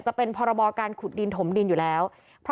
จะเป็นพรบการขุดดินถมดินอยู่แล้ว